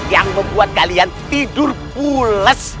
yang membuat kalian tidur pules